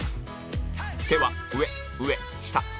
手は上上下下